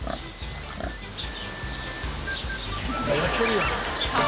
やってるやん。